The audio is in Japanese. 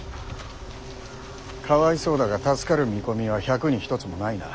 かわいそうだが助かる見込みは百に一つもないな。